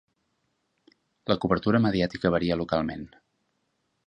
La cobertura mediàtica varia localment.